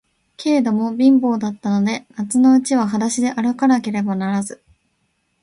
けれども、貧乏だったので、夏のうちははだしであるかなければならず、